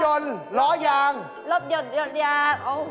รถยนต์ล้อยางโอ้โฮยากมาก